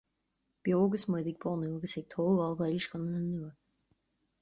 Beo agus muid ag bunú agus ag tógáil Gaelscoileanna nua